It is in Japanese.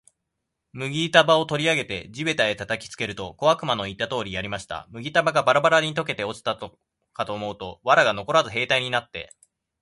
麦束を取り上げて地べたへ叩きつけると、小悪魔の言った通りやりました。麦束がバラバラに解けて落ちたかと思うと、藁がのこらず兵隊になって、